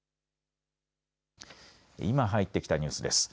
今、入ってきたニュースです。